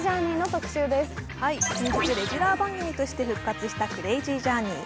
先日レギュラー番組として復活した「クレイジージャーニー」。